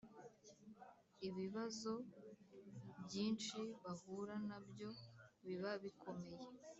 ibibazo byinshi bahura na byo biba bikomeye